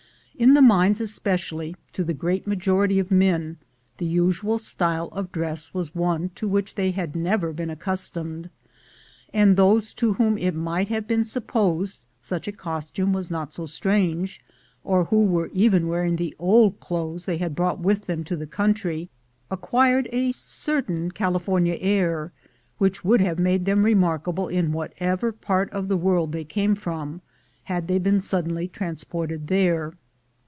In the mines especially, to the great majority of men, the usual style of dress was one to which they had never been accustomed; and those to whom it might have been supposed such a costume was not so strange, or who were even wearing the old clothes they had brought with them to the country, acquired a certain California air, which would have made them remarkable in whatever part of the world they came from, had they been suddenly transplanted there.